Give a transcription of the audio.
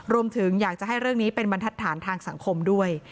รวมถึงอยากจะให้เรื่องนี้เป็นบรรทัดฐานทางสังคมด้วย